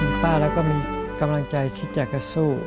พี่ป้าแล้วก็มีกำลังใจคิดอยากจะสู้